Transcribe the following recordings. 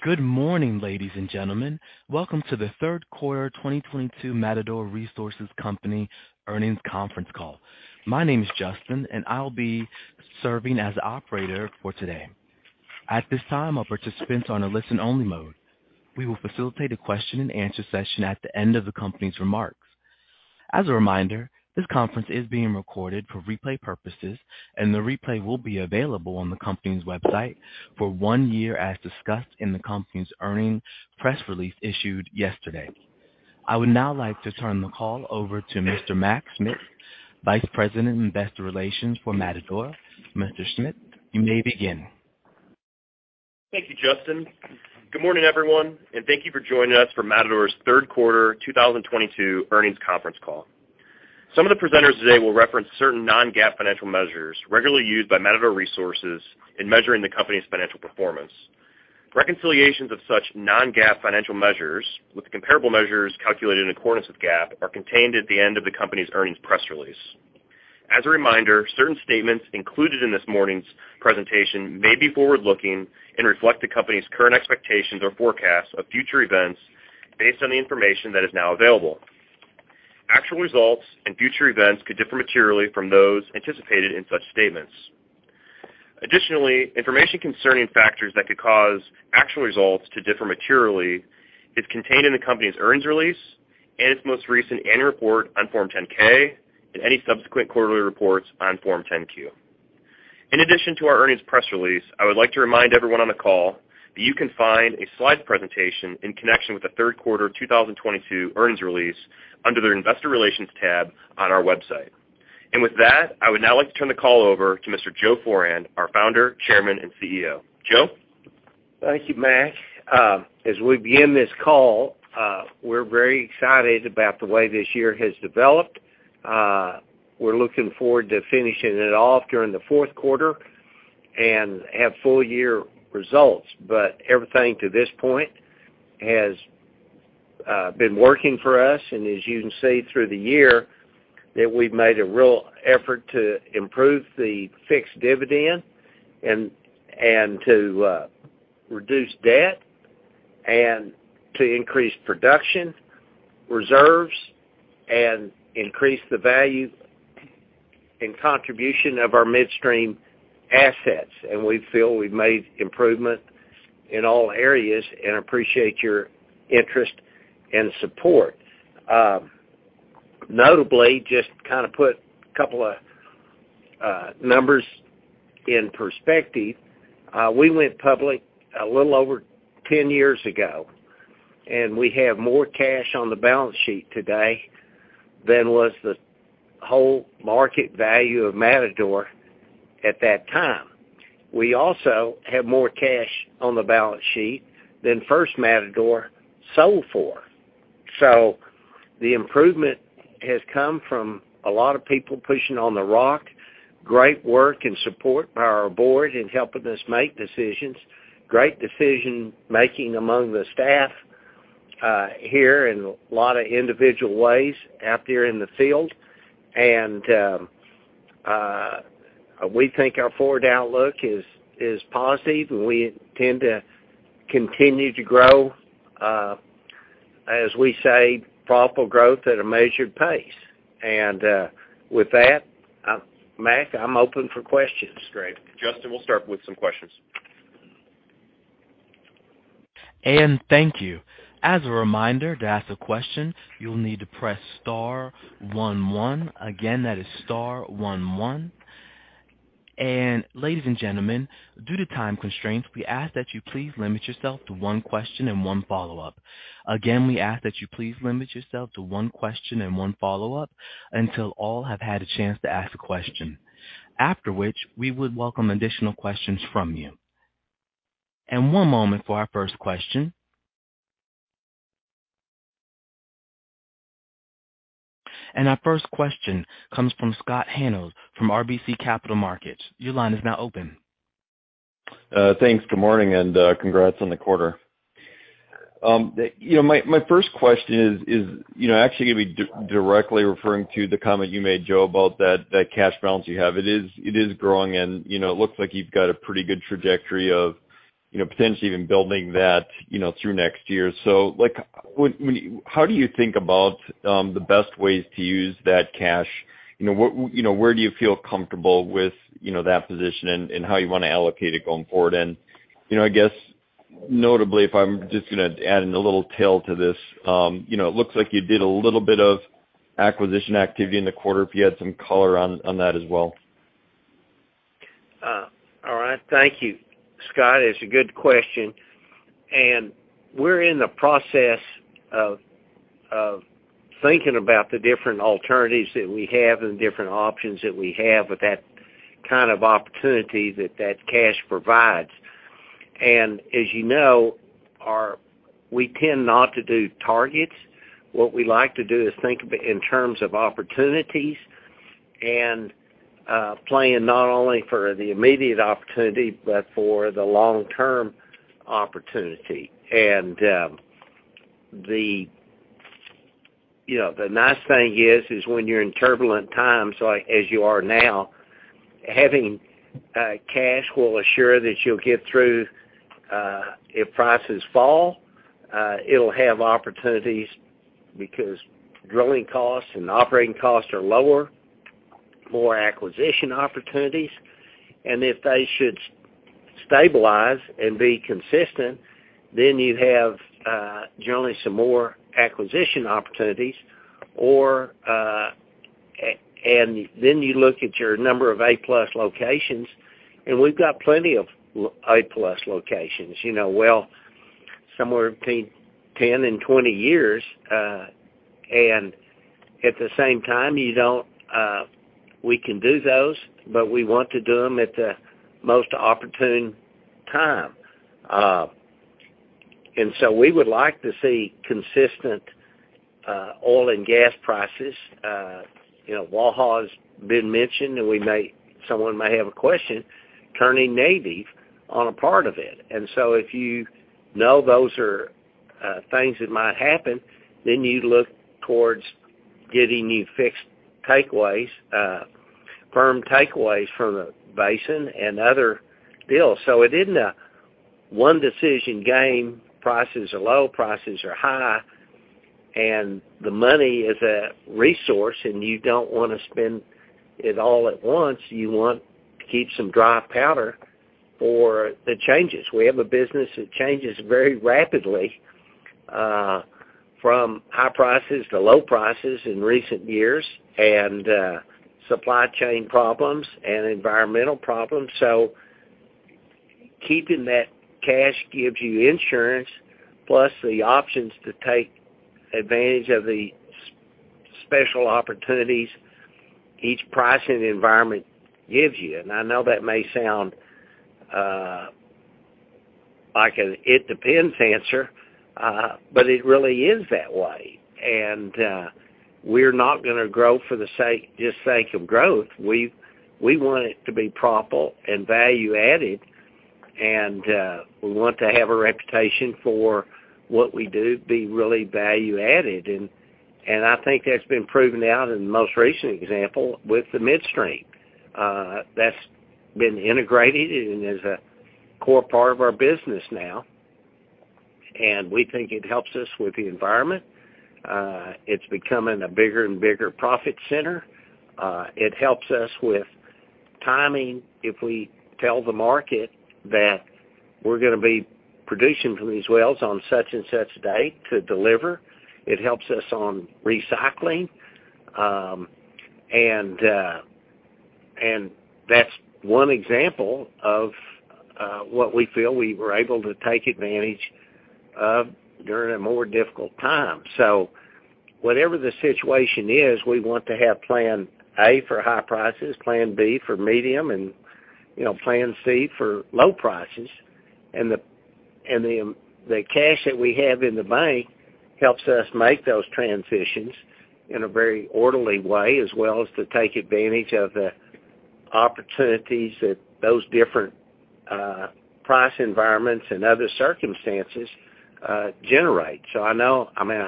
Good morning, ladies and gentlemen. Welcome to the third quarter 2022 Matador Resources Company Earnings Conference Call. My name is Justin, and I'll be serving as operator for today. At this time, all participants are on a listen-only mode. We will facilitate a question-and-answer session at the end of the company's remarks. As a reminder, this conference is being recorded for replay purposes, and the replay will be available on the company's website for one year, as discussed in the company's earnings press release issued yesterday. I would now like to turn the call over to Mr. Mac Schmitz, Vice President, Investor Relations for Matador. Mr. Schmitz, you may begin. Thank you, Justin. Good morning, everyone, and thank you for joining us for Matador's third quarter 2022 earnings conference call. Some of the presenters today will reference certain non-GAAP financial measures regularly used by Matador Resources in measuring the company's financial performance. Reconciliations of such non-GAAP financial measures with the comparable measures calculated in accordance with GAAP are contained at the end of the company's earnings press release. As a reminder, certain statements included in this morning's presentation may be forward-looking and reflect the company's current expectations or forecasts of future events based on the information that is now available. Actual results and future events could differ materially from those anticipated in such statements. Additionally, information concerning factors that could cause actual results to differ materially is contained in the company's earnings release and its most recent annual report on Form 10-K and any subsequent quarterly reports on Form 10-Q. In addition to our earnings press release, I would like to remind everyone on the call that you can find a slide presentation in connection with the third quarter 2022 earnings release under the Investor Relations tab on our website. With that, I would now like to turn the call over to Mr. Joe Foran, our Founder, Chairman, and CEO. Joe? Thank you, Mac. As we begin this call, we're very excited about the way this year has developed. We're looking forward to finishing it off during the fourth quarter and have full year results. Everything to this point has been working for us. As you can see through the year, that we've made a real effort to improve the fixed dividend and to reduce debt and to increase production reserves and increase the value and contribution of our midstream assets. We feel we've made improvement in all areas and appreciate your interest and support. Notably, just kind of put a couple of numbers in perspective. We went public a little over 10 years ago, and we have more cash on the balance sheet today than was the whole market value of Matador at that time. We also have more cash on the balance sheet than first Matador sold for. The improvement has come from a lot of people pushing on the rock. Great work and support by our board in helping us make decisions, great decision-making among the staff here in a lot of individual ways out there in the field. We think our forward outlook is positive, and we intend to continue to grow, as we say, profitable growth at a measured pace. With that, Mac, I'm open for questions. Great. Justin, we'll start with some questions. Thank you. As a reminder, to ask a question, you'll need to press star one one. Again, that is star one one. Ladies and gentlemen, due to time constraints, we ask that you please limit yourself to one question and one follow-up. Again, we ask that you please limit yourself to one question and one follow-up until all have had a chance to ask a question. After which, we would welcome additional questions from you. One moment for our first question. Our first question comes from Scott Hanold from RBC Capital Markets. Your line is now open. Thanks. Good morning, congrats on the quarter. My first question is actually going to be directly referring to the comment you made, Joe, about that cash balance you have. It is growing, and it looks like you've got a pretty good trajectory of potentially even building that through next year. Like, when—how do you think about the best ways to use that cash? You know, what, where do you feel comfortable with that position and how you want to allocate it going forward? You know, I guess notably, if I'm just gonna add in a little tail to this, you know, it looks like you did a little bit of acquisition activity in the quarter, if you had some color on that as well. All right. Thank you, Scott. It's a good question. We're in the process of thinking about the different alternatives that we have and the different options that we have with that kind of opportunity that cash provides. As you know, we tend not to do targets. What we like to do is think of it in terms of opportunities and plan not only for the immediate opportunity but for the long-term opportunity. You know, the nice thing is when you're in turbulent times, like as you are now, having cash will assure that you'll get through if prices fall. It'll have opportunities because drilling costs and operating costs are lower, more acquisition opportunities. If they should stabilize and be consistent, then you have, generally some more acquisition opportunities or, and then you look at your number of A-plus locations, and we've got plenty of A-plus locations, you know, well, somewhere between 10 and 20 years. At the same time, you don't, we can do those, but we want to do them at the most opportune time. We would like to see consistent, oil and gas prices. You know, Waha has been mentioned, and we may someone may have a question, turning negative on a part of it. If you know those are, things that might happen, then you look towards getting your firm takeaways, firm takeaways from the basin and other deals. It isn't a one-decision game. Prices are low, prices are high, and the money is a resource, and you don't wanna spend it all at once. You want to keep some dry powder for the changes. We have a business that changes very rapidly, from high prices to low prices in recent years, and supply chain problems and environmental problems. Keeping that cash gives you insurance, plus the options to take advantage of the special opportunities each pricing environment gives you. I know that may sound like an, "It depends" answer, but it really is that way. We're not gonna grow for the sake, just sake of growth. We want it to be proper and value-added, and we want to have a reputation for what we do, be really value added. I think that's been proven now in the most recent example with the midstream. That's been integrated and is a core part of our business now, and we think it helps us with the environment. It's becoming a bigger and bigger profit center. It helps us with timing if we tell the market that we're gonna be producing from these wells on such and such day to deliver. It helps us on recycling. That's one example of what we feel we were able to take advantage of during a more difficult time. Whatever the situation is, we want to have plan A for high prices, plan B for medium, and you know, plan C for low prices. The cash that we have in the bank helps us make those transitions in a very orderly way, as well as to take advantage of the opportunities that those different price environments and other circumstances generate. I know I mean,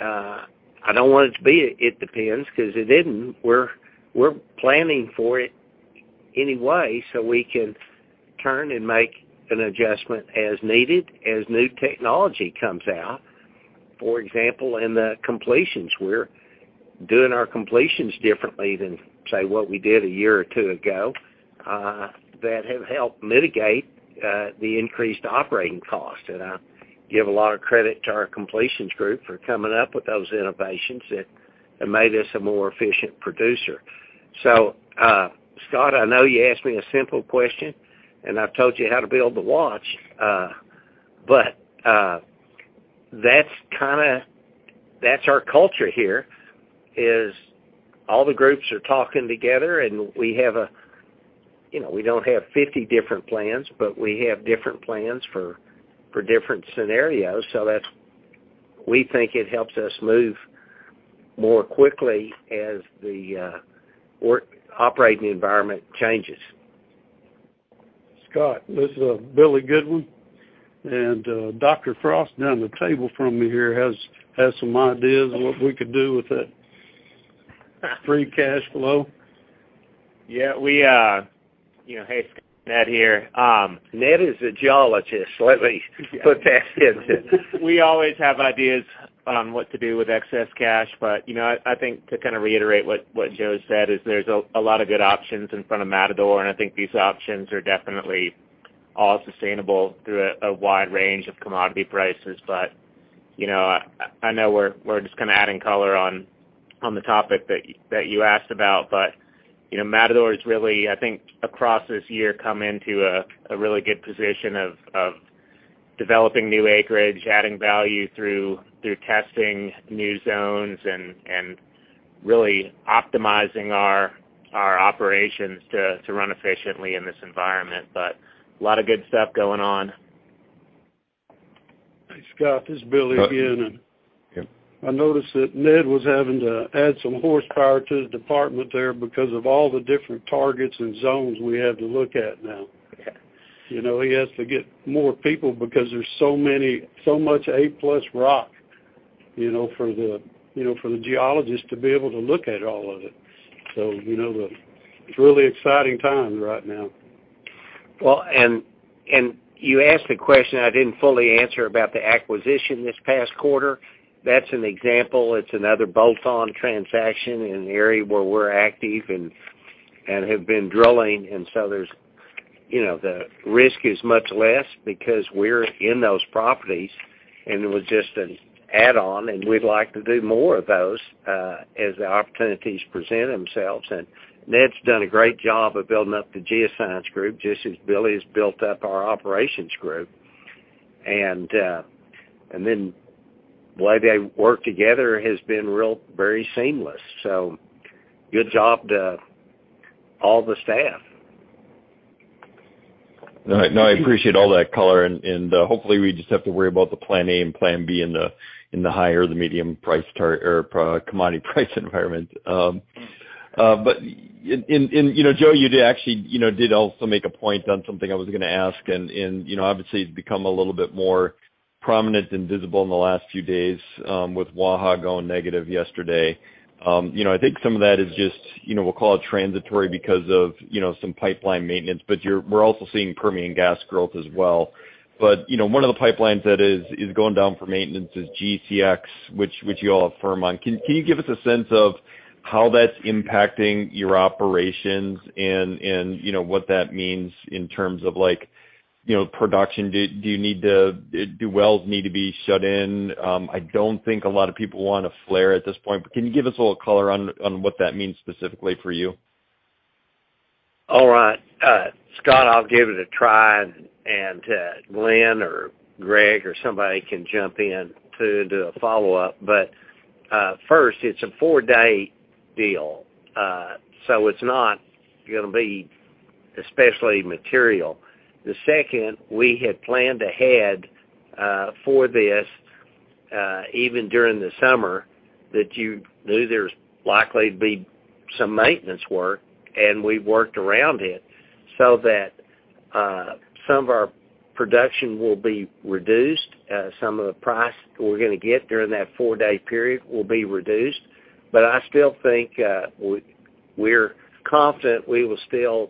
I don't want it to be, "It depends," 'cause it isn't. We're planning for it anyway, so we can turn and make an adjustment as needed as new technology comes out. For example, in the completions, we're doing our completions differently than, say, what we did a year or two ago, that have helped mitigate the increased operating costs. I give a lot of credit to our completions group for coming up with those innovations that have made us a more efficient producer. Scott, I know you asked me a simple question, and I've told you how to build the watch. That's our culture here, is all the groups are talking together, and you know, we don't have 50 different plans, but we have different plans for different scenarios. That's. We think it helps us move more quickly as the operating environment changes. Scott, this is Billy Goodwin. Dr. Frost down the table from me here has some ideas on what we could do with that free cash flow. Yeah, you know, hey, Scott, Ned here. Ned is a geologist. Let me put that in. We always have ideas on what to do with excess cash. You know, I think to kinda reiterate what Joe said is there's a lot of good options in front of Matador, and I think these options are definitely all sustainable through a wide range of commodity prices. You know, I know we're just kinda adding color on the topic that you asked about. You know, Matador is really, I think, across this year, come into a really good position of developing new acreage, adding value through testing new zones and really optimizing our operations to run efficiently in this environment. A lot of good stuff going on. Hey, Scott, this is Billy again. Yeah. I noticed that Ned was having to add some horsepower to the department there because of all the different targets and zones we have to look at now. You know, he has to get more people because there's so much A-plus rock, you know, for the, you know, for the geologist to be able to look at all of it. You know, the-- it's really exciting times right now. You asked the question I didn't fully answer about the acquisition this past quarter. That's an example. It's another bolt-on transaction in an area where we're active and have been drilling. There's, you know, the risk is much less because we're in those properties, and it was just an add-on, and we'd like to do more of those as the opportunities present themselves. Ned's done a great job of building up the geoscience group, just as Billy's built up our operations group. Then the way they work together has been very seamless. Good job to all the staff. No, I appreciate all that color. Hopefully, we just have to worry about the plan A and plan B in the higher, the medium price commodity price environment. You know, Joe, you did actually, you know, also make a point on something I was gonna ask, and you know, obviously, it's become a little bit more prominent and visible in the last few days, with Waha going negative yesterday. You know, I think some of that is just, you know, we'll call it transitory because of, you know, some pipeline maintenance, but we're also seeing Permian gas growth as well. You know, one of the pipelines that is going down for maintenance is GCX, which you all affirm on. Can you give us a sense of how that's impacting your operations and you know, what that means in terms of like, you know, production? Do wells need to be shut in? I don't think a lot of people wanna flare at this point, but can you give us a little color on what that means specifically for you? All right. Scott, I'll give it a try and Glenn or Gregg or somebody can jump in to do a follow-up. First, it's a four-day deal, so it's not gonna be especially material. The second, we had planned ahead for this, even during the summer that you knew there's likely to be some maintenance work, and we worked around it so that some of our production will be reduced. Some of the price we're gonna get during that four-day period will be reduced. I still think we're confident we will still,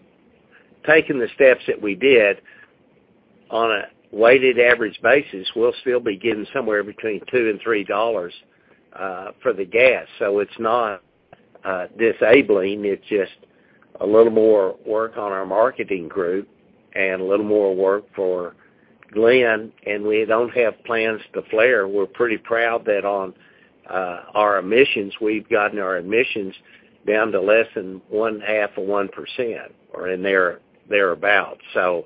taking the steps that we did, on a weighted average basis, we'll still be getting somewhere between $2-$3 for the gas. It's not disabling. It's just a little more work on our marketing group and a little more work for Glenn. We don't have plans to flare. We're pretty proud that on our emissions, we've gotten our emissions down to less than one-half of 1% or thereabouts. Glenn,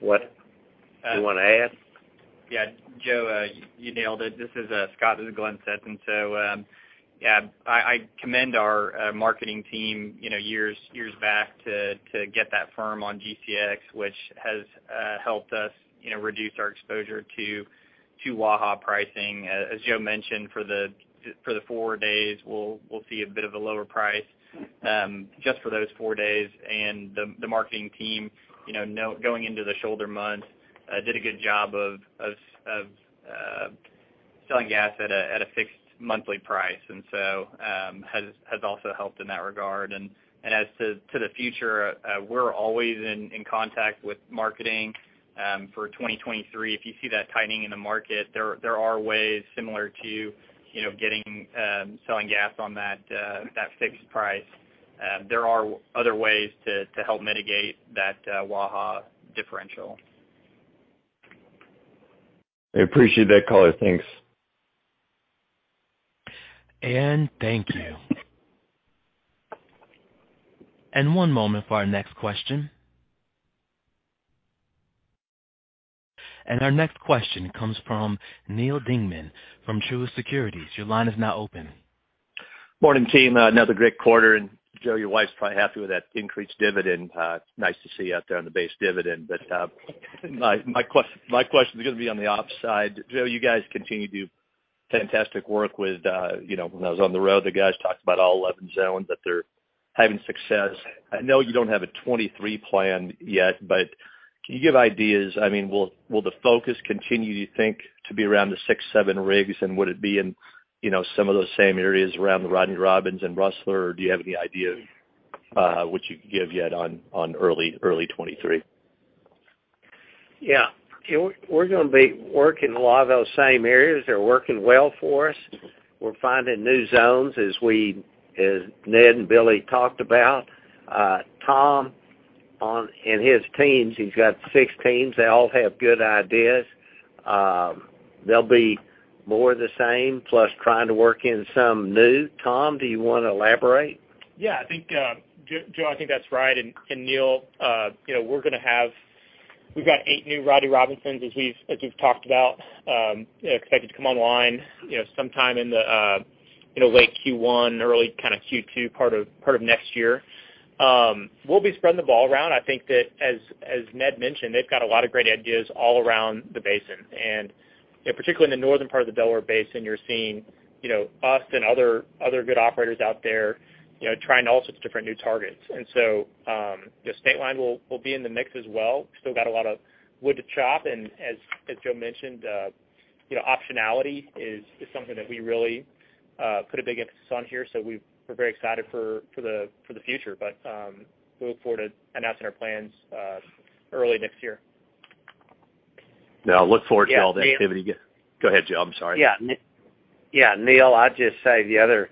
what do you wanna add? Yeah. Joe, you nailed it. This is Scott. This is Glenn Stetson. I commend our marketing team, you know, years back to get that firm on GCX, which has helped us, you know, reduce our exposure to Waha pricing. As Joe mentioned, for the four days, we'll see a bit of a lower price, just for those four days. The marketing team, you know, going into the shoulder months, did a good job of selling gas at a fixed monthly price. Has also helped in that regard. As to the future, we're always in contact with marketing for 2023. If you see that tightening in the market, there are ways similar to, you know, getting selling gas on that fixed price. There are other ways to help mitigate that Waha differential. I appreciate that color. Thanks. Thank you. One moment for our next question. Our next question comes from Neal Dingmann from Truist Securities. Your line is now open. Morning, team. Another great quarter. Joe, your wife's probably happy with that increased dividend. Nice to see you out there on the base dividend. My question's gonna be on the ops side. Joe, you guys continue to do fantastic work with, you know. When I was on the road, the guys talked about all 11 zones, that they're having success. I know you don't have a 2023 plan yet, but can you give ideas? I mean, will the focus continue, you think, to be around the six to seven rigs? And would it be in, you know, some of those same areas around the Rodney Robinson and Rustler Breaks? Or do you have any idea what you can give yet on early 2023? Yeah. We're gonna be working a lot of those same areas. They're working well for us. We're finding new zones as Ned and Billy talked about. Tom, on his teams, he's got six teams, they all have good ideas. They'll be more of the same, plus trying to work in some new. Tom, do you wanna elaborate? Yeah. I think, Joe, I think that's right. Neal, you know, we've got eight new Rodney Robinson as we've talked about, expected to come online, you know, sometime in the in late Q1, early kind of Q2 part of next year. We'll be spreading the ball around. I think that as Ned mentioned, they've got a lot of great ideas all around the basin. You know, particularly in the northern part of the Delaware Basin, you're seeing, you know, us and other good operators out there, you know, trying all sorts of different new targets. The state line will be in the mix as well. Still got a lot of wood to chop. As Joe mentioned, you know, optionality is something that we really put a big emphasis on here. We're very excited for the future. We look forward to announcing our plans early next year. Now look forward to all the activity. Yeah, Neal. Go ahead, Joe. I'm sorry. Yeah. Yeah, Neal, I'd just say the other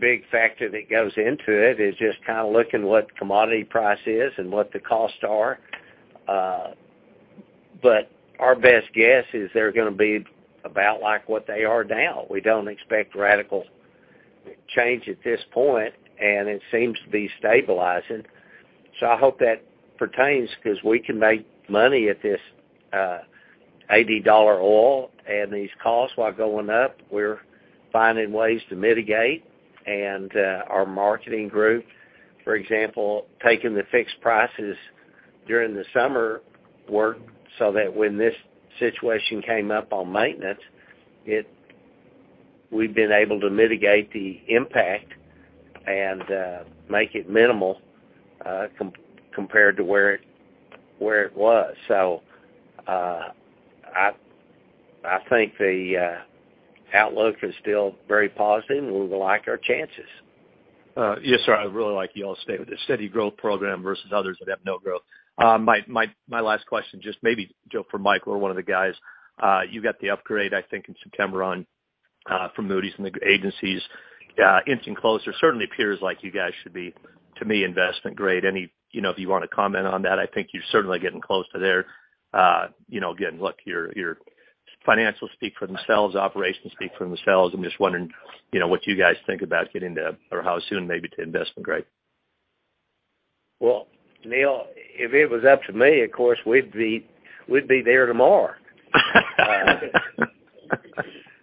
big factor that goes into it is just kind of looking what commodity price is and what the costs are. Our best guess is they're gonna be about like what they are now. We don't expect radical change at this point, and it seems to be stabilizing. I hope that pertains because we can make money at this $80 oil and these costs while going up, we're finding ways to mitigate. Our marketing group, for example, taking the fixed prices during the summer work so that when this situation came up on maintenance, we've been able to mitigate the impact and make it minimal compared to where it was. I think the outlook is still very positive, and we like our chances. Yes, sir. I really like you all stay with the steady growth program versus others that have no growth. My last question, just maybe Joe, for Michael or one of the guys. You got the upgrade, I think, in September from Moody's and the agencies, inching closer. Certainly appears like you guys should be investment-grade, to me. Any, you know, if you want to comment on that, I think you're certainly getting close to there. You know, again, look, your financials speak for themselves, operations speak for themselves. I'm just wondering, you know, what you guys think about getting to or how soon maybe to investment grade? Well, Neal, if it was up to me, of course, we'd be there tomorrow.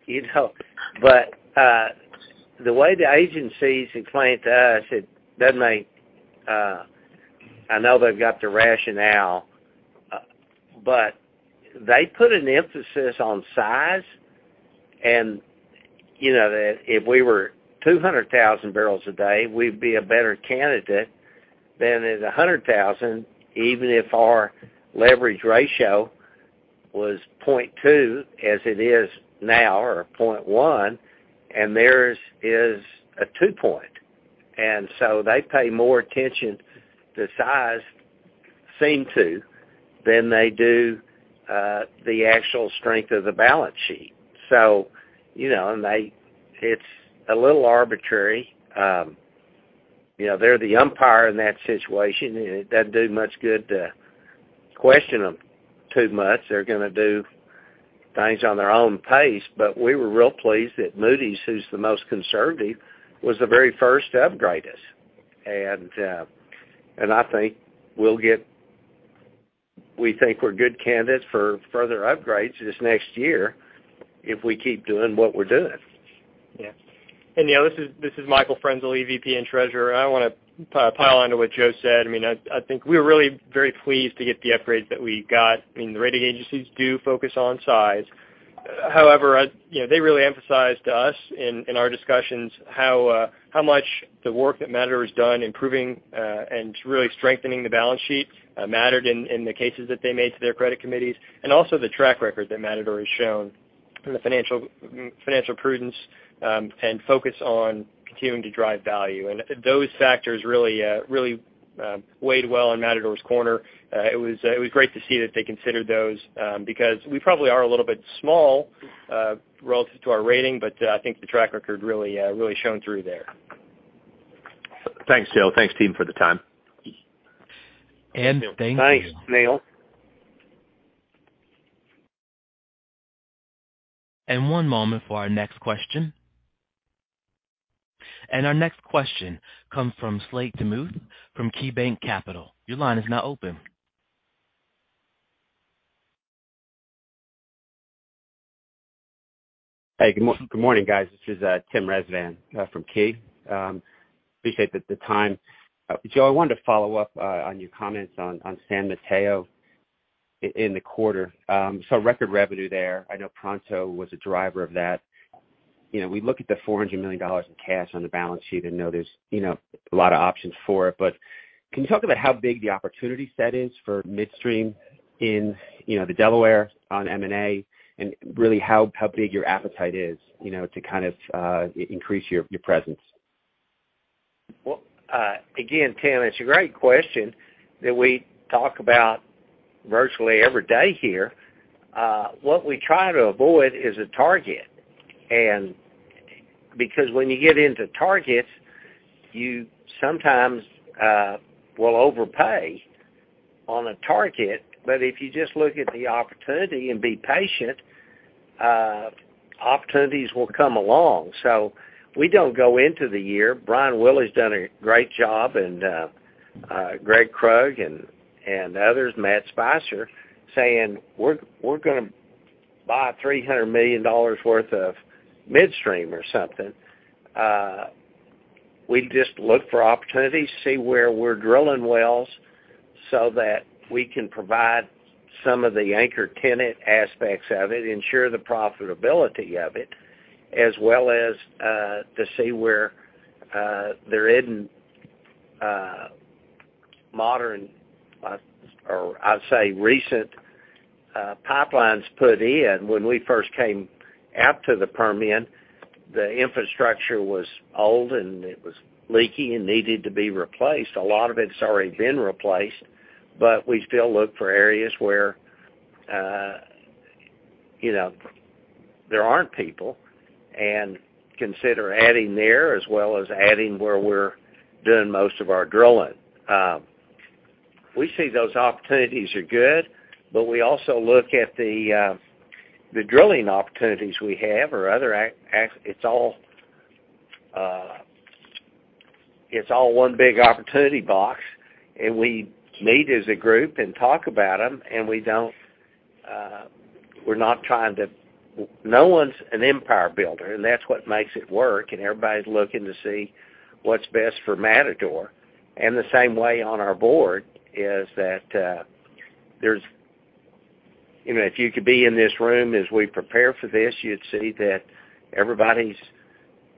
You know, but the way the agencies explain it to us, it doesn't make, I know they've got the rationale, but they put an emphasis on size, and you know that if we were 200,000 barrels a day, we'd be a better candidate than at 100,000, even if our leverage ratio was 0.2, as it is now, or 0.1, and theirs is a 2.0. They pay more attention to size, seem to, than they do the actual strength of the balance sheet. You know, it's a little arbitrary. You know, they're the umpire in that situation. It doesn't do much good to question them too much. They're gonna do things on their own pace. We were real pleased that Moody's, who's the most conservative, was the very first to upgrade us. We think we're good candidates for further upgrades this next year if we keep doing what we're doing. Neal, this is Michael Frenzel, EVP and Treasurer. I want to pile on to what Joe said. I mean, I think we're really very pleased to get the upgrade that we got. I mean, the rating agencies do focus on size. However, you know, they really emphasized to us in our discussions how much the work that Matador has done in improving and really strengthening the balance sheet mattered in the cases that they made to their credit committees and also the track record that Matador has shown in the financial prudence and focus on continuing to drive value. Those factors really weighed well in Matador's corner. It was great to see that they considered those, because we probably are a little bit small relative to our rating, but I think the track record really shone through there. Thanks, Joe. Thanks, team, for the time. Thank you. Thanks, Neal. One moment for our next question. Our next question comes from Tim Rezvan from KeyBanc Capital Markets. Your line is now open. Hey, good morning, guys. This is Tim Rezvan from Key. Appreciate the time. Joe, I wanted to follow up on your comments on San Mateo in the quarter. So record revenue there. I know Pronto was a driver of that. You know, we look at the $400 million in cash on the balance sheet and know there's, you know, a lot of options for it. But can you talk about how big the opportunity set is for midstream in, you know, the Delaware on M&A and really how big your appetite is, you know, to kind of increase your presence? Well, again, Tim, it's a great question that we talk about virtually every day here. What we try to avoid is a target. Because when you get into targets, you sometimes will overpay on a target. If you just look at the opportunity and be patient, opportunities will come along. We don't go into the year. Brian Willey did a great job and Gregg Krug and others, Matthew Spicer saying, we're gonna buy $300 million worth of midstream or something. We just look for opportunities, see where we're drilling wells so that we can provide some of the anchor tenant aspects of it, ensure the profitability of it, as well as to see where there isn't modern or I'd say recent pipelines put in. When we first came out to the Permian, the infrastructure was old, and it was leaky and needed to be replaced. A lot of it's already been replaced, but we still look for areas where, you know, there aren't people and consider adding there as well as adding where we're doing most of our drilling. We see those opportunities are good, but we also look at the drilling opportunities we have or other it's all one big opportunity box, and we meet as a group and talk about them, and we don't, we're not trying to. No one's an empire builder, and that's what makes it work. Everybody's looking to see what's best for Matador. The same way on our board is that, there's you know, if you could be in this room as we prepare for this, you'd see that everybody's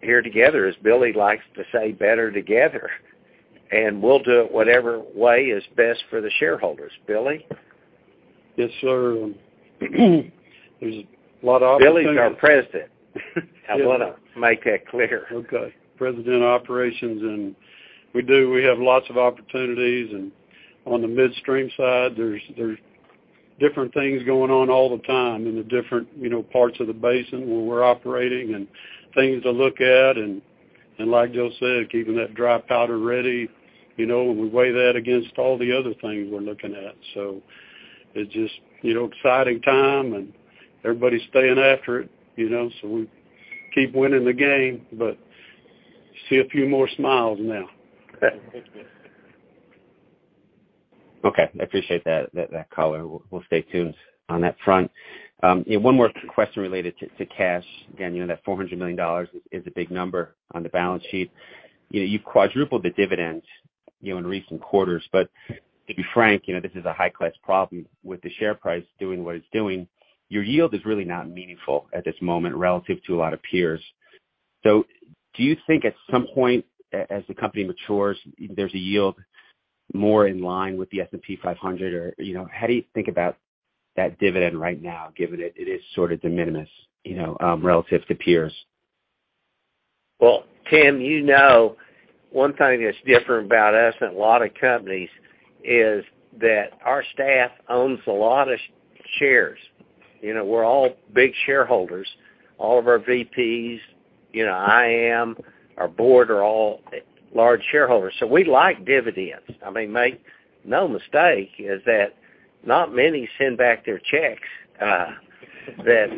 here together, as Billy likes to say, better together. We'll do it whatever way is best for the shareholders. Billy? Yes, sir. There's a lot of opportunities. Billy's our president. I wanna make that clear. Okay. President of Operations. We do, we have lots of opportunities. On the midstream side, there's different things going on all the time in the different, you know, parts of the basin where we're operating and things to look at. Like Joe said, keeping that dry powder ready. You know, we weigh that against all the other things we're looking at. It's just, you know, exciting time and everybody's staying after it, you know, so we keep winning the game, but I see a few more smiles now. Okay. Okay. I appreciate that color. We'll stay tuned on that front. You know, one more question related to cash. Again, you know that $400 million is a big number on the balance sheet. You know, you've quadrupled the dividends, you know, in recent quarters. To be frank, you know, this is a high class problem with the share price doing what it's doing. Your yield is really not meaningful at this moment relative to a lot of peers. Do you think at some point as the company matures, there's a yield more in line with the S&P 500? Or, you know, how do you think about that dividend right now, given that it is sort of de minimis, you know, relative to peers? Well, Tim, you know, one thing that's different about us than a lot of companies is that our staff owns a lot of shares. You know, we're all big shareholders, all of our VPs, you know, I am, our board are all large shareholders, so we like dividends. I mean, make no mistake is that not many send back their checks. That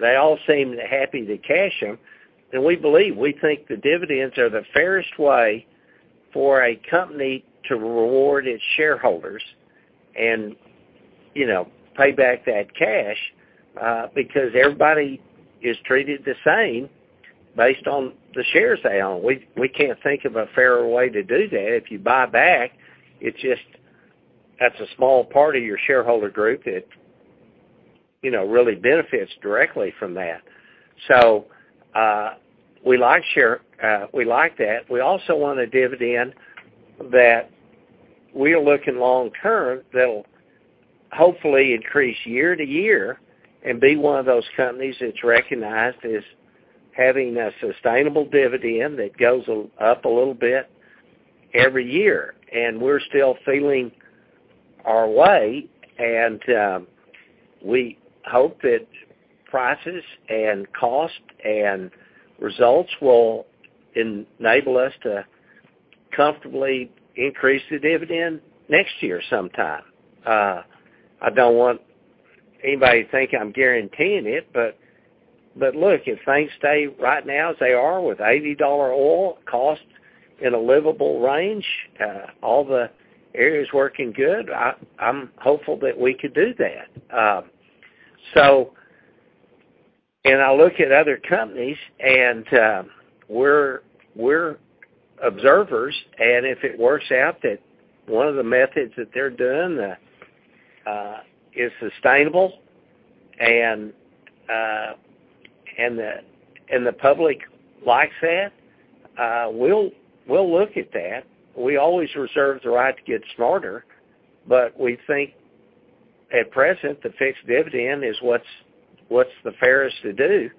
they all seem happy to cash them. We believe, we think the dividends are the fairest way for a company to reward its shareholders and, you know, pay back that cash, because everybody is treated the same based on the shares they own. We can't think of a fairer way to do that. If you buy back, it's just, that's a small part of your shareholder group that, you know, really benefits directly from that. So, we like that. We also want a dividend that we are looking long term, that'll hopefully increase year to year and be one of those companies that's recognized as having a sustainable dividend that goes up a little bit every year. We're still feeling our way, and we hope that prices and costs and results will enable us to comfortably increase the dividend next year sometime. I don't want anybody to think I'm guaranteeing it, but look, if things stay right now as they are with $80 oil, costs in a livable range, all the areas working good, I'm hopeful that we could do that. I look at other companies and, we're observers, and if it works out that one of the methods that they're doing is sustainable and the public likes that, we'll look at that. We always reserve the right to get smarter, but we think at present, the fixed dividend is what's the fairest to do.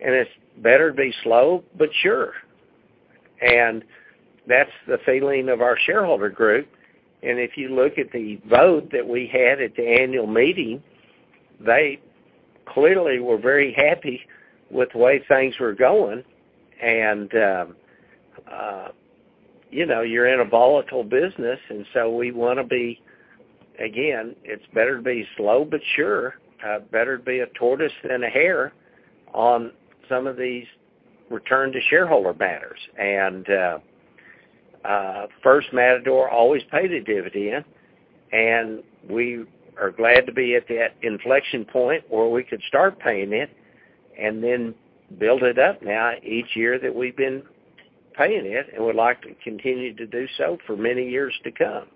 It's better to be slow but sure. That's the feeling of our shareholder group. If you look at the vote that we had at the annual meeting, they clearly were very happy with the way things were going. You know, you're in a volatile business, and so we wanna be. Again, it's better to be slow but sure. Better to be a tortoise than a hare on some of these return to shareholder matters. First Matador always paid a dividend, and we are glad to be at that inflection point where we could start paying it and then build it up now each year that we've been paying it and would like to continue to do so for many years to come.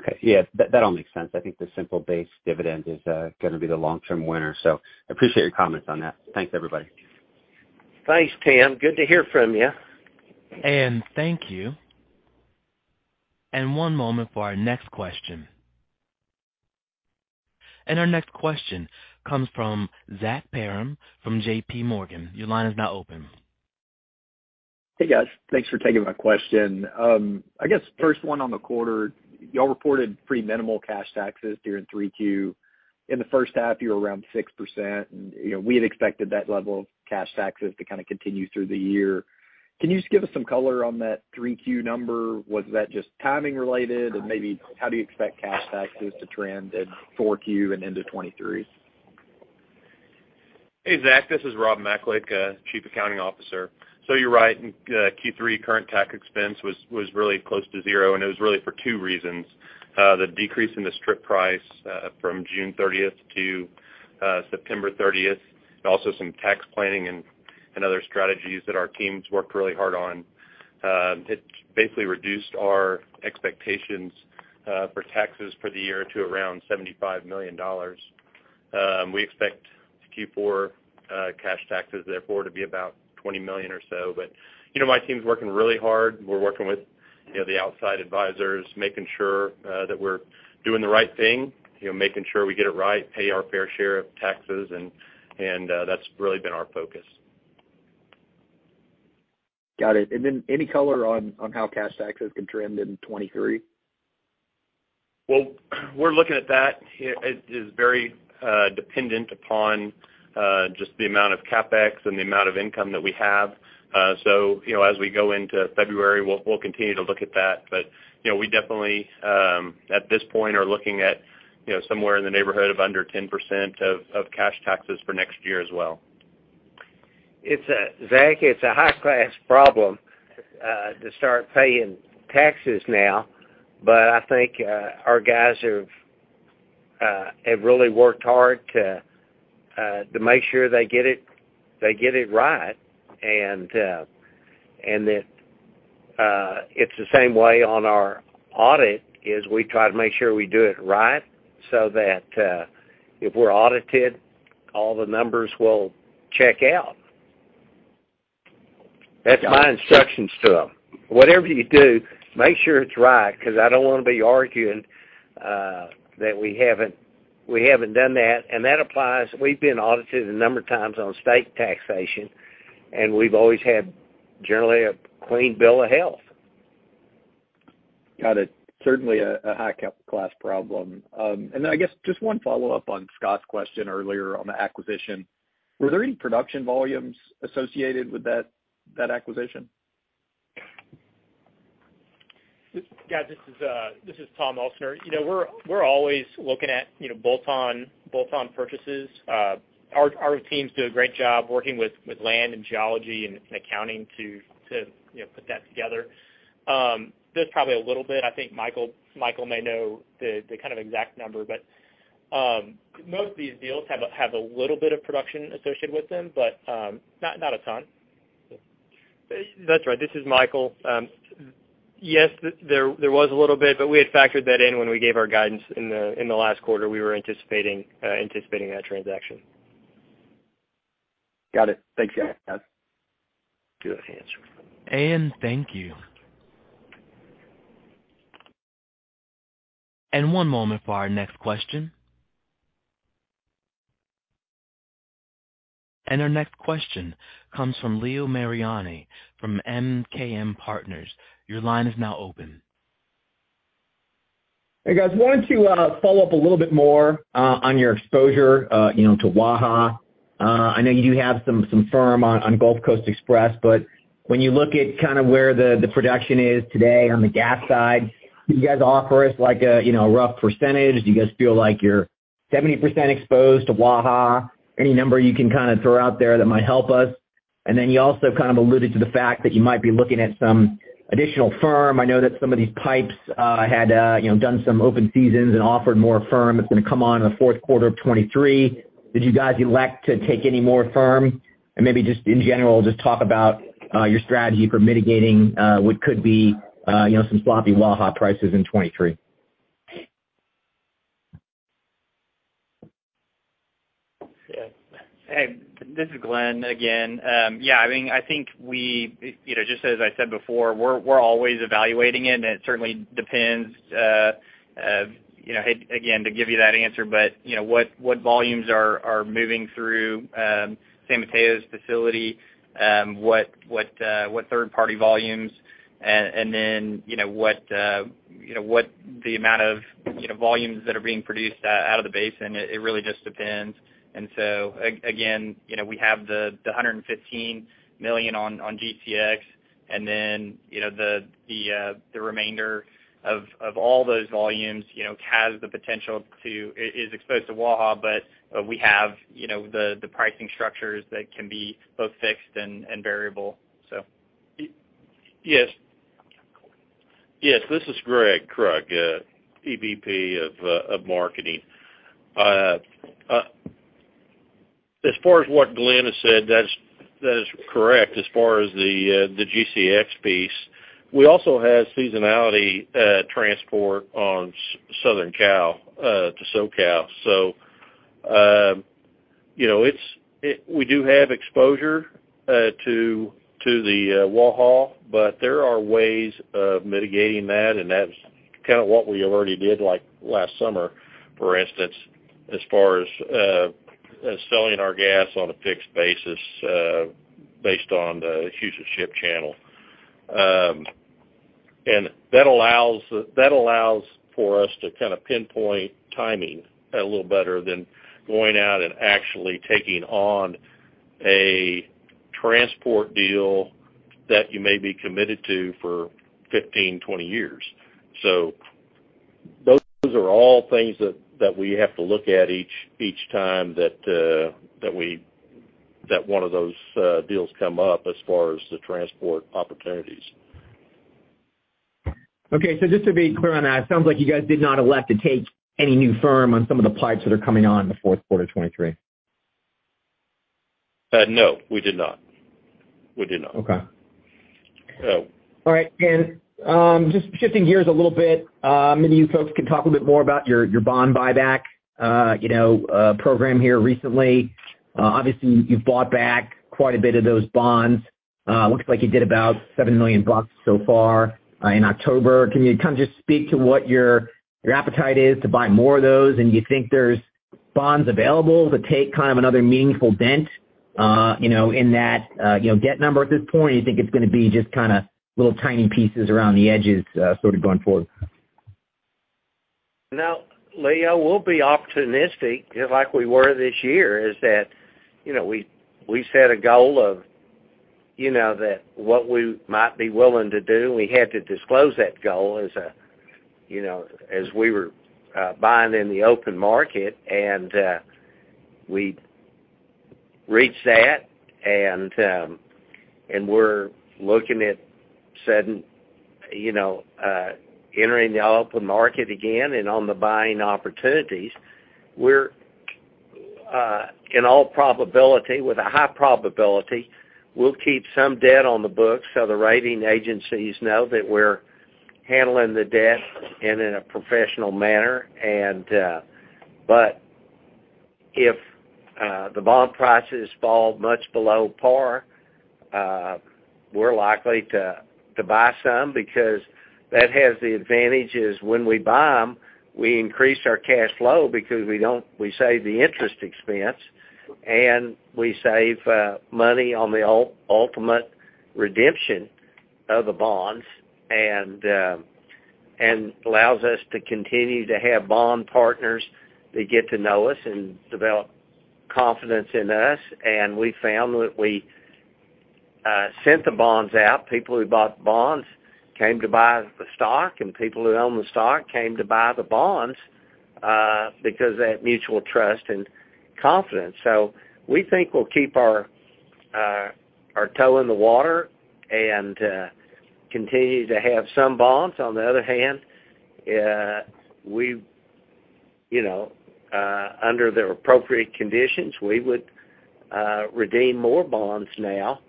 Okay. Yeah. That all makes sense. I think the simple base dividend is gonna be the long-term winner. I appreciate your comments on that. Thanks, everybody. Thanks, Tim. Good to hear from you. Thank you. One moment for our next question. Our next question comes from Zach Parham from JPMorgan. Your line is now open. Hey, guys. Thanks for taking my question. I guess first one on the quarter, y'all reported pretty minimal cash taxes during 3Q. In the first half, you were around 6% and, you know, we had expected that level of cash taxes to kinda continue through the year. Can you just give us some color on that 3Q number? Was that just timing related? Maybe how do you expect cash taxes to trend in 4Q and into 2023? Hey, Zach, this is Rob Macalik, Chief Accounting Officer. You're right. In Q3, current tax expense was really close to zero, and it was really for two reasons. The decrease in the strip price from June thirtieth to September thirtieth, and also some tax planning and other strategies that our teams worked really hard on. It basically reduced our expectations for taxes for the year to around $75 million. We expect Q4 cash taxes, therefore, to be about $20 million or so. You know, my team's working really hard. We're working with you know, the outside advisors, making sure that we're doing the right thing, you know, making sure we get it right, pay our fair share of taxes, and that's really been our focus. Got it. Any color on how cash taxes could trend in 2023? Well, we're looking at that. It is very dependent upon just the amount of CapEx and the amount of income that we have. You know, as we go into February, we'll continue to look at that. You know, we definitely at this point are looking at you know somewhere in the neighborhood of under 10% of cash taxes for next year as well. Zach, it's a high-class problem to start paying taxes now. I think our guys have really worked hard to make sure they get it right. That it's the same way on our audit, is we try to make sure we do it right so that if we're audited, all the numbers will check out. That's my instructions to them. Whatever you do, make sure it's right, 'cause I don't wanna be arguing that we haven't done that. That applies. We've been audited a number of times on state taxation, and we've always had generally a clean bill of health. Got it. Certainly a high-class problem. Then I guess just one follow-up on Scott's question earlier on the acquisition. Were there any production volumes associated with that acquisition? Yeah, this is Tom Elsener. You know, we're always looking at you know, bolt-on purchases. Our teams do a great job working with land and geology and accounting to you know, put that together. There's probably a little bit. I think Michael Frenzel may know the kind of exact number. Most of these deals have a little bit of production associated with them, but not a ton. That's right. This is Michael. Yes, there was a little bit, but we had factored that in when we gave our guidance in the last quarter. We were anticipating that transaction. Got it. Thanks, guys. Good answer. Thank you. One moment for our next question. Our next question comes from Leo Mariani from MKM Partners. Your line is now open. Hey, guys. Wanted to follow up a little bit more on your exposure, you know, to Waha. I know you do have some firm on Gulf Coast Express, but when you look at kinda where the production is today on the gas side, can you guys offer us like a, you know, a rough percentage? Do you guys feel like you're 70% exposed to Waha? Any number you can kinda throw out there that might help us. You also kind of alluded to the fact that you might be looking at some additional firm. I know that some of these pipes had, you know, done some open seasons and offered more firm that's gonna come on in the fourth quarter of 2023. Did you guys elect to take any more firm? Maybe just in general, just talk about your strategy for mitigating what could be, you know, some sloppy Waha prices in 2023. Yeah. Hey, this is Glenn again. Yeah, I mean, I think we, you know, just as I said before, we're always evaluating it and it certainly depends, you know, to give you that answer, but, you know, what volumes are moving through San Mateo's facility, what third-party volumes, and then, you know, what. You know what the amount of volumes that are being produced out of the basin, it really just depends. Again, you know, we have the 115 million on GCX, and then, you know, the remainder of all those volumes, you know, has the potential to is exposed to Waha. We have, you know, the pricing structures that can be both fixed and variable, so. Yes, this is Gregg Krug, EVP of marketing. As far as what Glenn has said, that is correct as far as the GCX piece. We also have seasonality transport on southern Cal to SoCal. We do have exposure to the Waha, but there are ways of mitigating that, and that's kind of what we already did, like last summer, for instance, as far as selling our gas on a fixed basis based on the Houston Ship Channel. That allows for us to kind of pinpoint timing a little better than going out and actually taking on a transport deal that you may be committed to for 15, 20 years. Those are all things that we have to look at each time that one of those deals come up as far as the transport opportunities. Just to be clear on that, it sounds like you guys did not elect to take any new firm on some of the pipes that are coming on in the fourth quarter 2023. No, we did not. Okay. No. All right. Just shifting gears a little bit, maybe you folks can talk a bit more about your bond buyback program here recently. Obviously, you've bought back quite a bit of those bonds. Looks like you did about $7 million so far in October. Can you kind of just speak to what your appetite is to buy more of those? Do you think there's bonds available to take kind of another meaningful dent in that debt number at this point? Do you think it's gonna be just kinda little tiny pieces around the edges sort of going forward? Now, Leo, we'll be opportunistic like we were this year, you know, we set a goal of, you know, that what we might be willing to do, and we had to disclose that goal as, you know, as we were buying in the open market. We reached that and we're looking at setting, you know, entering the open market again and on the buying opportunities. We're in all probability, with a high probability, we'll keep some debt on the books so the rating agencies know that we're handling the debt in a professional manner. If the bond prices fall much below par, we're likely to buy some because that has the advantage is when we buy them, we increase our cash flow because we save the interest expense, and we save money on the ultimate redemption of the bonds, and allows us to continue to have bond partners that get to know us and develop confidence in us. We found that we sold the bonds out. People who bought the bonds came to buy the stock, and people who own the stock came to buy the bonds because they had mutual trust and confidence. We think we'll keep our toe in the water and continue to have some bonds. On the other hand, we, you know, under the appropriate conditions, we would redeem more bonds now.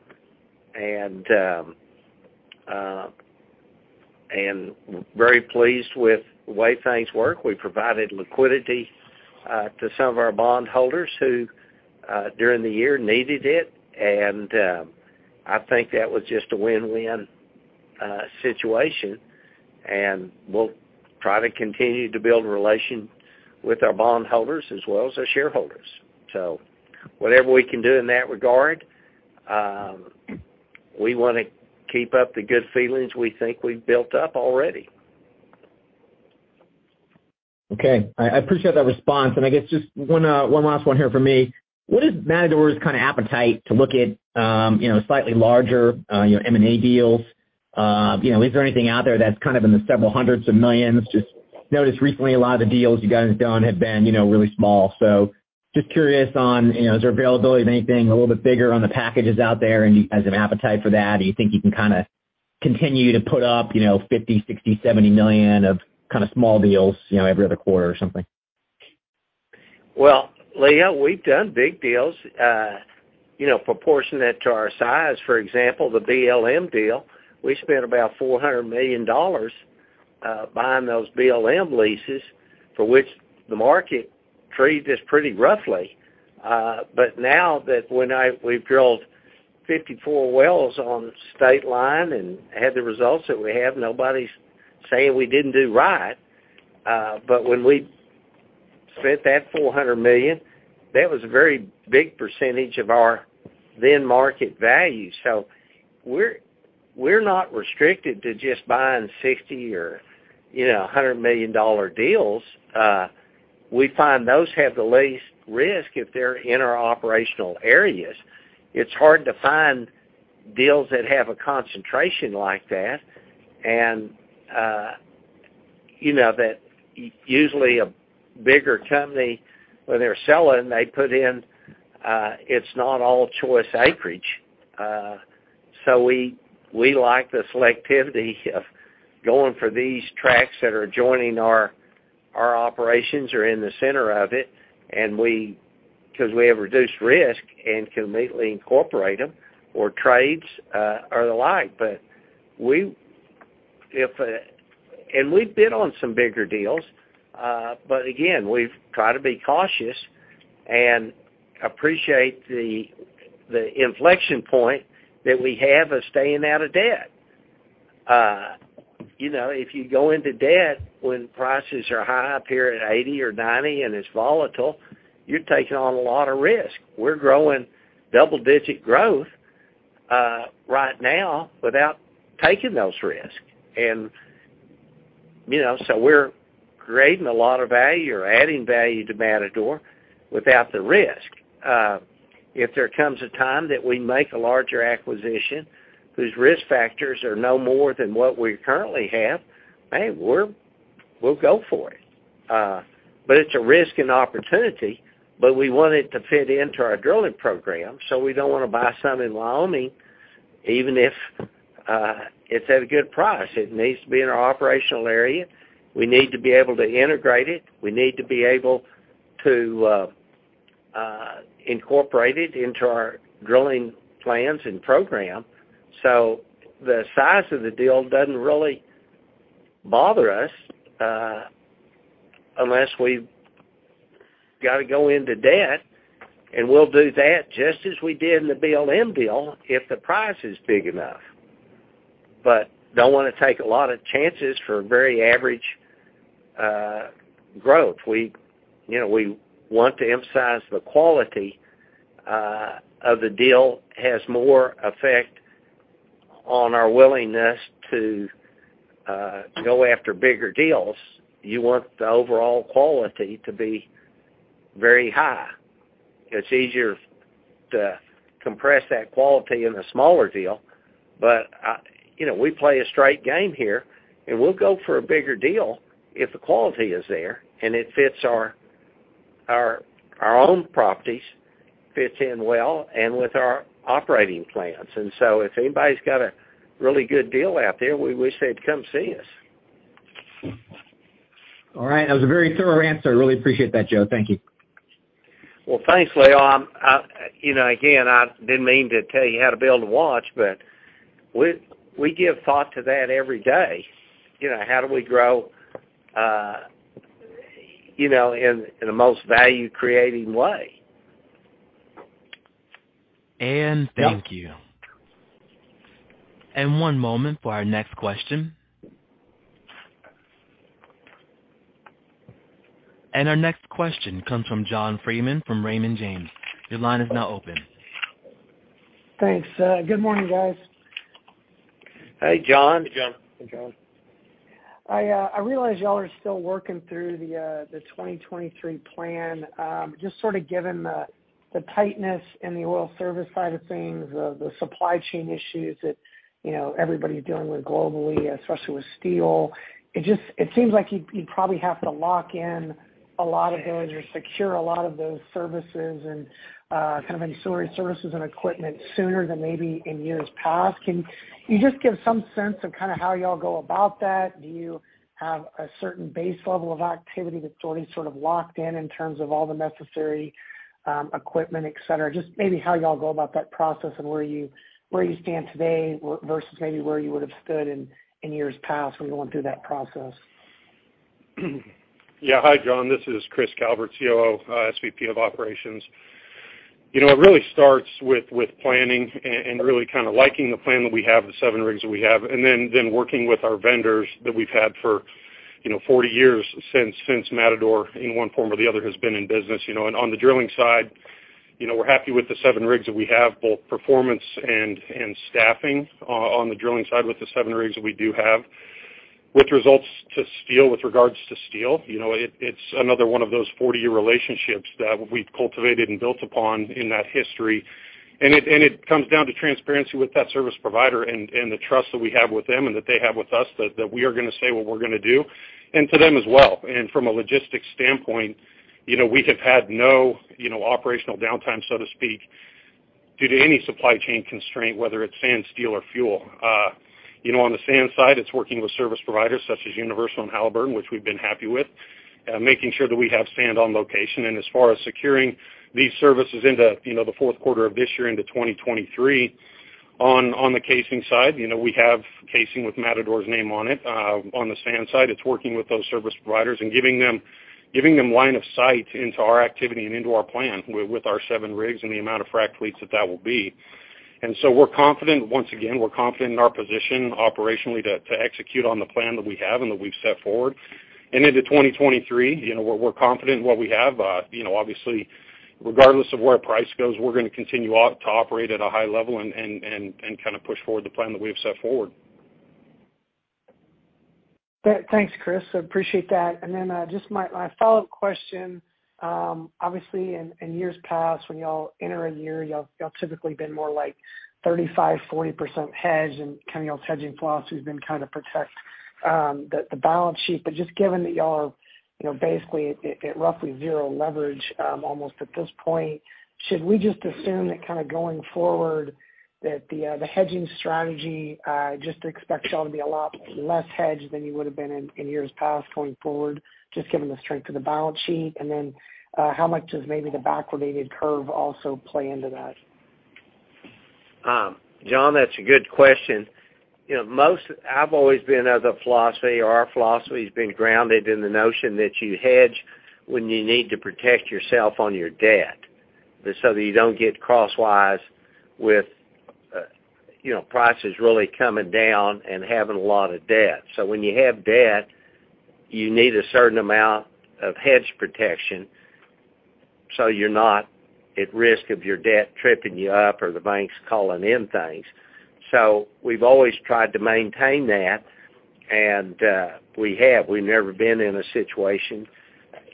Very pleased with the way things work. We provided liquidity to some of our bondholders who during the year needed it. I think that was just a win-win situation. We'll try to continue to build a relation with our bondholders as well as our shareholders. Whatever we can do in that regard, we wanna keep up the good feelings we think we've built up already. Okay. I appreciate that response. I guess just one last one here from me. What is Matador's kind of appetite to look at, you know, slightly larger, you know, M&A deals? You know, is there anything out there that's kind of in the several hundred million? Just noticed recently a lot of the deals you guys have done have been, you know, really small. Just curious on, you know, is there availability of anything a little bit bigger on the packages out there and an appetite for that? You think you can kind of continue to put up, you know, $50 million, $60 million, $70 million of kind of small deals, you know, every other quarter or something? Well, Leo, we've done big deals. You know, proportionate to our size, for example, the BLM deal, we spent about $400 million buying those BLM leases, for which the market treated us pretty roughly. Now we've drilled 54 wells on Stateline and had the results that we have, nobody's saying we didn't do right. When we spent that $400 million. That was a very big percentage of our then market value. We're not restricted to just buying $60 or, you know, $100 million deals. We find those have the least risk if they're in our operational areas. It's hard to find deals that have a concentration like that. You know, usually a bigger company, when they're selling, they put in, it's not all choice acreage. We like the selectivity of going for these tracts that are adjoining our operations, and our operations are in the center of it, because we have reduced risk and can neatly incorporate them or trades or the like. We bid on some bigger deals. But again, we've tried to be cautious and appreciate the inflection point that we have of staying out of debt. You know, if you go into debt when prices are high up here at $80-$90, and it's volatile, you're taking on a lot of risk. We're growing double-digit growth right now without taking those risks. You know, we're creating a lot of value or adding value to Matador without the risk. If there comes a time that we make a larger acquisition whose risk factors are no more than what we currently have, hey, we'll go for it. It's a risk and opportunity, but we want it to fit into our drilling program, so we don't want to buy some in Wyoming, even if it's at a good price. It needs to be in our operational area. We need to be able to integrate it. We need to be able to incorporate it into our drilling plans and program. The size of the deal doesn't really bother us, unless we've got to go into debt, and we'll do that just as we did in the BLM deal if the price is big enough. Don't want to take a lot of chances for very average growth. You know, we want to emphasize the quality of the deal has more effect on our willingness to go after bigger deals. You want the overall quality to be very high. It's easier to compress that quality in a smaller deal. You know, we play a straight game here, and we'll go for a bigger deal if the quality is there and it fits our own properties, fits in well with our operating plans. If anybody's got a really good deal out there, we wish they'd come see us. All right. That was a very thorough answer. I really appreciate that, Joe. Thank you. Well, thanks, Leo. I'm, you know, again, I didn't mean to tell you how to build a watch, but we give thought to that every day. You know, how do we grow, you know, in the most value-creating way? Thank you. Yeah. One moment for our next question. Our next question comes from John Freeman from Raymond James. Your line is now open. Thanks. Good morning, guys. Hey, John. Hey, John. Hey, John. I realize y'all are still working through the 2023 plan. Just sort of given the tightness in the oil service side of things, the supply chain issues that you know everybody's dealing with globally, especially with steel, it seems like you'd probably have to lock in a lot of those or secure a lot of those services and kind of any storage services and equipment sooner than maybe in years past. Can you just give some sense of kind of how y'all go about that? Do you have a certain base level of activity that's already sort of locked in in terms of all the necessary equipment, et cetera? Just maybe how y'all go about that process and where you stand today versus maybe where you would have stood in years past when going through that process? Yeah. Hi, John. This is Chris Calvert, COO, SVP of Operations. You know, it really starts with planning and really kind of liking the plan that we have, the seven rigs that we have, and then working with our vendors that we've had for, you know, 40 years since Matador, in one form or the other, has been in business, you know. On the drilling side, you know, we're happy with the seven rigs that we have, both performance and staffing on the drilling side with the seven rigs that we do have. With regards to steel, you know, it's another one of those 40-year relationships that we've cultivated and built upon in that history. It comes down to transparency with that service provider and the trust that we have with them and that they have with us that we are gonna say what we're gonna do, and to them as well. From a logistics standpoint, you know, we have had no, you know, operational downtime, so to speak, due to any supply chain constraint, whether it's sand, steel or fuel. You know, on the sand side, it's working with service providers such as Universal and Halliburton, which we've been happy with, making sure that we have sand on location. As far as securing these services into, you know, the fourth quarter of this year into 2023, on the casing side, you know, we have casing with Matador's name on it. On the sand side, it's working with those service providers and giving them line of sight into our activity and into our plan with our seven rigs and the amount of frac fleets that will be. We're confident. Once again, we're confident in our position operationally to execute on the plan that we have and that we've set forward. Into 2023, you know, we're confident in what we have. Obviously, regardless of where price goes, we're gonna continue to operate at a high level and kind of push forward the plan that we have set forward. Thanks, Chris. I appreciate that. Just my follow-up question. Obviously, in years past, when y'all enter a year, y'all typically been more like 35%-40% hedged, and kind of y'all's hedging philosophy has been, kind of protect the balance sheet. Just given that y'all are basically at roughly zero leverage, almost at this point, should we just assume that kinda going forward that the hedging strategy just expect y'all to be a lot less hedged than you would've been in years past going forward, just given the strength of the balance sheet? How much does maybe the backwardated curve also play into that? John, that's a good question. You know, I've always been of the philosophy, or our philosophy has been grounded in the notion that you hedge when you need to protect yourself on your debt, just so that you don't get crosswise with, you know, prices really coming down and having a lot of debt. When you have debt, you need a certain amount of hedge protection, so you're not at risk of your debt tripping you up or the banks calling in things. We've always tried to maintain that, and we have. We've never been in a situation.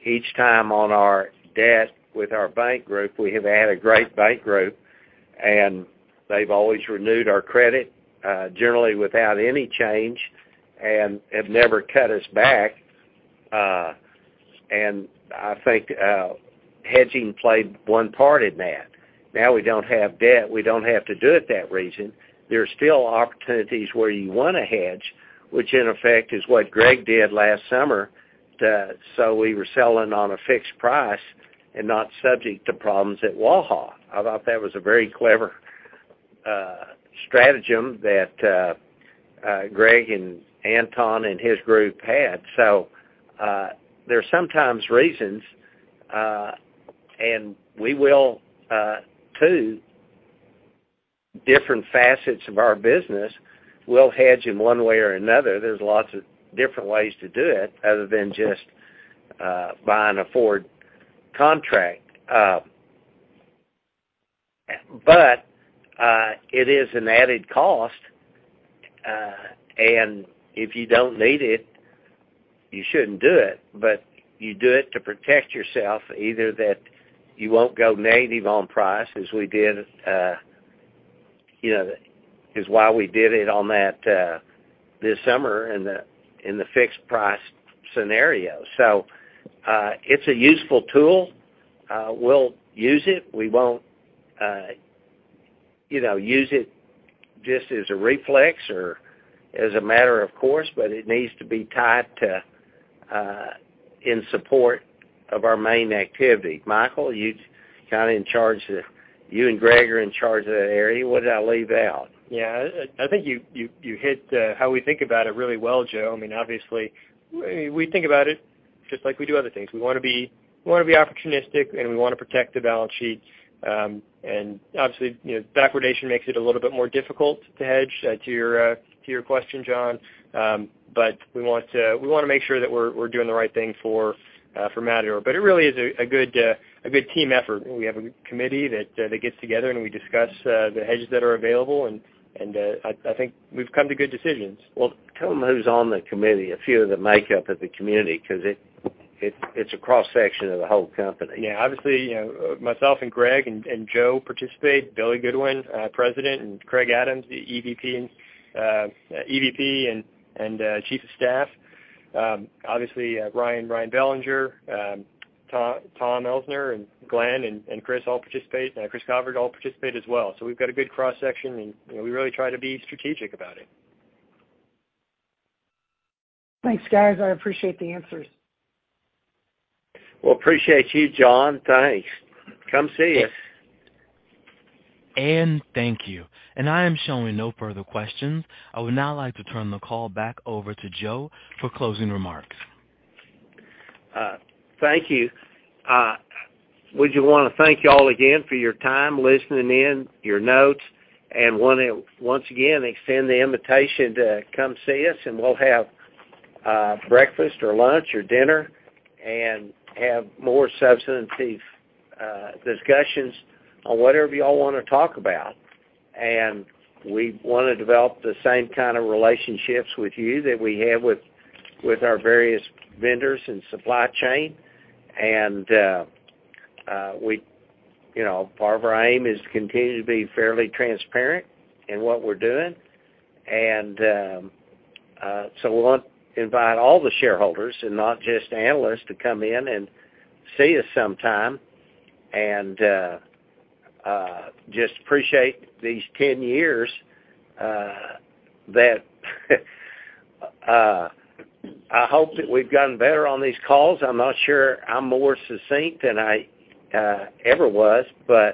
Each time on our debt with our bank group, we have had a great bank group, and they've always renewed our credit, generally without any change and have never cut us back. I think hedging played one part in that. Now we don't have debt, we don't have to do it that reason. There are still opportunities where you wanna hedge, which in effect is what Gregg did last summer, so we were selling on a fixed price and not subject to problems at Waha. I thought that was a very clever stratagem that Gregg and Anton and his group had. There are sometimes reasons, and we will two different facets of our business, we'll hedge in one way or another. There's lots of different ways to do it other than just buying a forward contract. It is an added cost, and if you don't need it, you shouldn't do it, but you do it to protect yourself, either that you won't go negative on price as we did, you know, is why we did it on that this summer in the fixed price scenario. It's a useful tool. We'll use it. We won't, you know, use it just as a reflex or as a matter of course, but it needs to be tied to in support of our main activity. Michael, you and Gregg are in charge of that area. What did I leave out? Yeah. I think you hit how we think about it really well, Joe. I mean, obviously, we think about it just like we do other things. We wanna be opportunistic, and we wanna protect the balance sheet. Obviously, you know, backwardation makes it a little bit more difficult to hedge, to your question, John. We wanna make sure that we're doing the right thing for Matador. It really is a good team effort. We have a committee that gets together, and we discuss the hedges that are available, and I think we've come to good decisions. Well, tell them who's on the committee, a few of the makeup of the community, 'cause it's a cross-section of the whole company. Yeah. Obviously, you know, myself and Gregg and Joe participate. Billy Goodwin, president, and Craig Adams, the EVP and chief of staff. Obviously, Ryan Bellinger, Tom Elsener and Glenn and Chris Calvert all participate as well. We've got a good cross-section, and, you know, we really try to be strategic about it. Thanks, guys. I appreciate the answers. Well, appreciate you, John. Thanks. Come see us. Thank you. I am showing no further questions. I would now like to turn the call back over to Joe for closing remarks. Thank you. We just wanna thank y'all again for your time listening in, your notes, and wanna once again extend the invitation to come see us, and we'll have breakfast or lunch or dinner and have more substantive discussions on whatever y'all wanna talk about. We wanna develop the same kind of relationships with you that we have with our various vendors and supply chain. You know, part of our aim is to continue to be fairly transparent in what we're doing. We want to invite all the shareholders and not just analysts to come in and see us sometime. I just appreciate these 10 years that I hope that we've gotten better on these calls. I'm not sure I'm more succinct than I ever was. The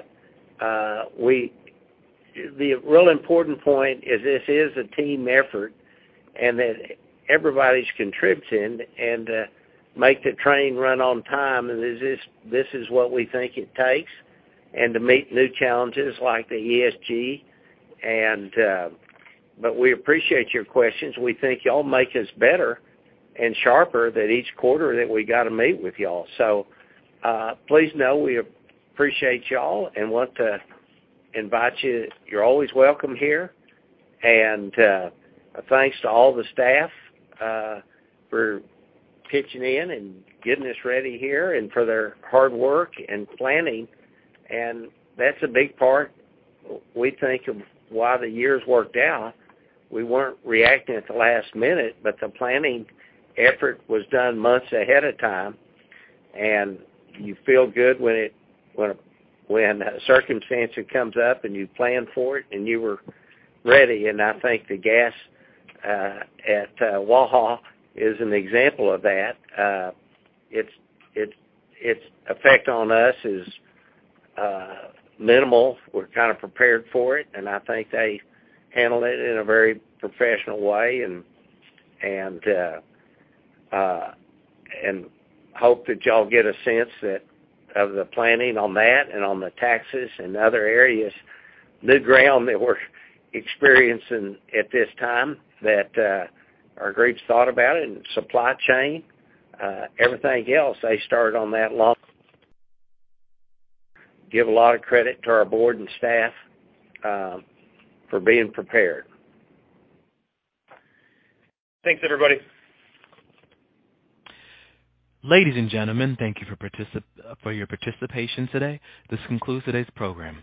real important point is this is a team effort, and that everybody's contributing and make the train run on time, and this is what we think it takes, and to meet new challenges like the ESG. But we appreciate your questions. We think y'all make us better and sharper with each quarter that we got to meet with y'all. Please know we appreciate y'all and want to invite you. You're always welcome here. Thanks to all the staff for pitching in and getting us ready here and for their hard work and planning. That's a big part, we think, of why the years worked out. We weren't reacting at the last minute, but the planning effort was done months ahead of time. You feel good when a circumstance comes up and you plan for it and you were ready. I think the gas at Waha is an example of that. Its effect on us is minimal. We're kind of prepared for it, and I think they handled it in a very professional way and hope that y'all get a sense of the planning on that and on the taxes and other areas. New ground that we're experiencing at this time that our groups thought about it and supply chain everything else, they started on that long. Give a lot of credit to our board and staff for being prepared. Thanks, everybody. Ladies and gentlemen, thank you for your participation today. This concludes today's program.